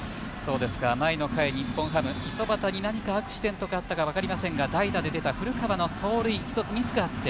前回、日本ハム、五十幡に何かアクシデントがあったか分かりませんが代打で出た古川の走塁一つミスがあって